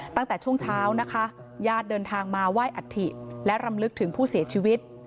ตั้งแต่ช่วงเช้านะคะญาติเดินทางมาไหว้อัฐิและรำลึกถึงผู้เสียชีวิต